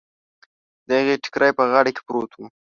د هغې ټکری په غاړه کې پروت و.